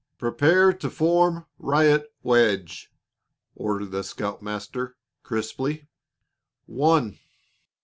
"Prepare to form riot wedge!" ordered the scoutmaster, crisply. "One!"